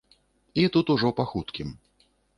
І тут ужо па хуткім.